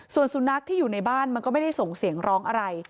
ส่วนสุนัขที่อยู่ในบ้านมันก็ไม่ได้ส่งเสียงร้องอะไร